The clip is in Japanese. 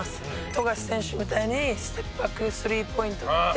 富樫選手みたいにステップバックスリーポイント打って。